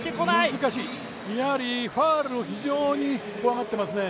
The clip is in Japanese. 難しい、ファウルを非常に怖がっていますね。